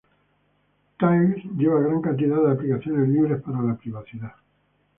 Tails lleva gran cantidad de aplicaciones libres para la privacidad